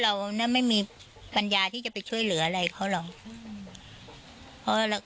เราไม่มีปัญญาที่จะไปช่วยเหลืออะไรเขาหรอก